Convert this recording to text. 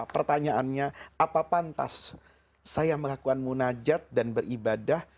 pertanyaannya apa pantas saya melakukan munajat dan beribadah